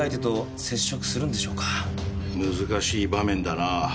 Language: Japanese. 難しい場面だな。